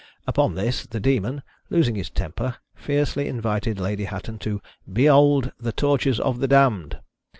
Upon this the Demon, losing his temper, fiercely invited Lady Hatton to "Be old the tortures of the damned!"